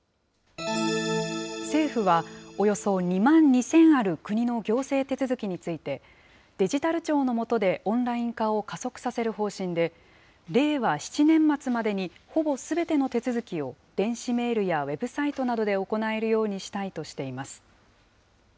政府は、およそ２万２０００ある国の行政手続きについて、デジタル庁のもとでオンライン化を加速させる方針で、令和７年末までにほぼすべての手続きを電子メールやウェブサイトなどで行えるようにしたいとしています。